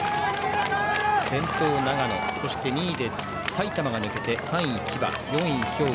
先頭、長野２位で埼玉が抜けて３位、千葉、４位、兵庫